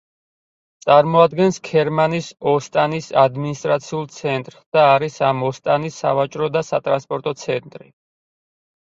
წარმოადგენს ქერმანის ოსტანის ადმინისტრაციულ ცენტრს და არის ამ ოსტანის სავაჭრო და სატრანსპორტო ცენტრი.